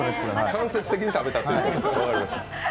間接的に食べたという、分かりました。